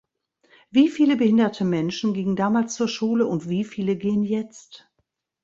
Wie viele behinderte Menschen gingen damals zur Schule und wie viele gehen jetzt?